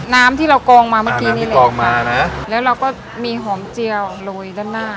น้ำที่เรากองมาเมื่อกี้นี่แหละกองมานะแล้วเราก็มีหอมเจียวโรยด้านหน้า